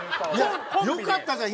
よかったじゃん！